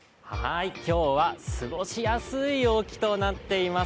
今日は過ごしやすい陽気となっています。